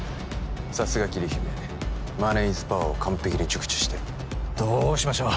さすが桐姫マネーイズパワーを完璧に熟知してるどうしましょう？